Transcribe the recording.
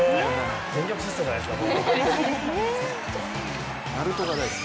全力疾走じゃないですか。